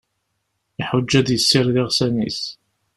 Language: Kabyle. Iḥuǧǧ ad d-yessired iɣsan-is.